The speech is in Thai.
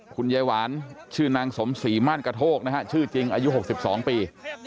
คุณยายหวานชื่อนางสมศรีม่านกระโทกนะฮะชื่อจริงอายุ๖๒ปี